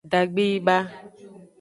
Dagbe yi ba.